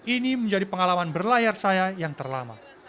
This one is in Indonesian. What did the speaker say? ini menjadi pengalaman berlayar saya yang terlama